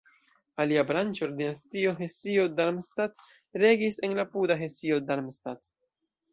Alia branĉo, la dinastio Hesio-Darmstadt regis en la apuda Hesio-Darmstadt.